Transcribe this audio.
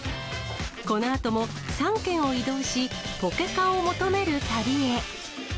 このあとも３県を移動し、ポケカを求める旅へ。